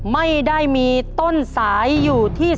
ไม่ได้มีต้นสายอยู่ที่